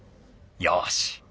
よし。